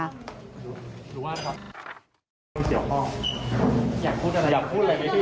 ยังไม่เจอกล่องค่ะเราหวกครอบครัวไหมพี่